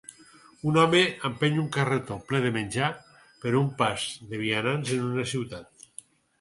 Un home empeny un carretó ple de menjar per un pas de vianants en una ciutat.